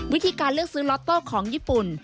วิธีการเลือกซื้อล็อตโต้ของญี่ปุ่น